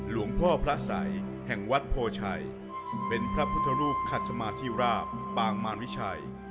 หลวงพ่อพระสัยแห่งวัดโพชัยเป็นพระพุทธรูปขัดสมาธิราบปางมารวิชัย